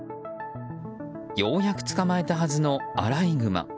ようやく捕まえたはずのアライグマ。